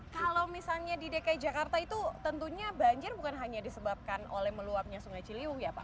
kalau misalnya di dki jakarta itu tentunya banjir bukan hanya disebabkan oleh meluapnya sungai ciliwung ya pak